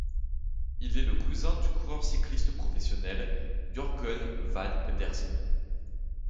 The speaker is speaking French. Il est le cousin du coureur cycliste professionnel Jørgen Vagn Pedersen.